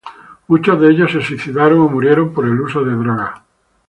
Muchos de ellos se suicidaron o murieron por el uso de drogas.